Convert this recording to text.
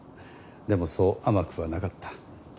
でもそう甘くはなかった。